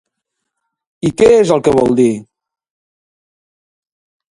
I què és el que vol dir?